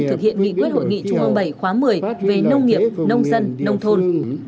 thực hiện nghị quyết hội nghị trung ương bảy khóa một mươi về nông nghiệp nông dân nông thôn